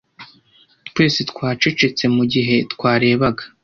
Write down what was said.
Twese twacecetse mugihe twarebaga.